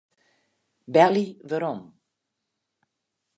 Belje werom.